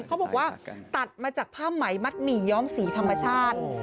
เขาบอกว่าตัดมาจากผ้าไหมมัดหมี่ย้อมสีธรรมชาติ